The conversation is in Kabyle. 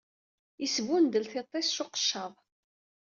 Yesbundel tiṭṭ-is s uqeccaḍ.